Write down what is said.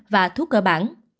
và thuốc cơ bản